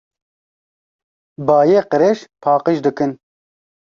Bayê qirêj paqij dikin.